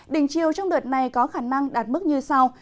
đỉnh chiều trong đợt này có khả năng đạt mức như sau